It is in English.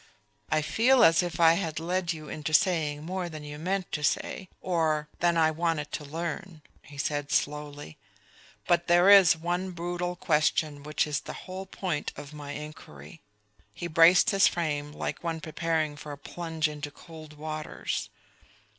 "I feel as if I had led you into saying more than you meant to say, or than I wanted to learn," he said slowly. "But there is one brutal question which is the whole point of my inquiry." He braced his frame like one preparing for a plunge into cold waters.